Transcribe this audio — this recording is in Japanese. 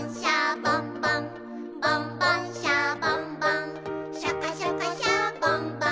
「ボンボン・シャボン・ボンシャカシャカ・シャボン・ボン」